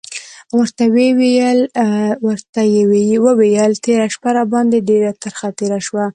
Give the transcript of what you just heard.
ورته یې وویل: تېره شپه راباندې ډېره ترخه تېره شوې.